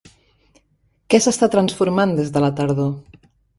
Què s'està transformant des de la tardor?